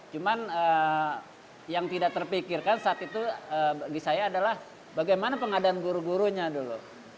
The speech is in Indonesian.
cuman yang tidak terpikirkan saat itu bagi saya adalah bagaimana pengadaan guru gurunya dulu